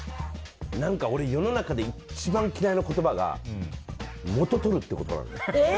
何か俺世の中一番嫌いな言葉が元を取るっていう言葉なのよ。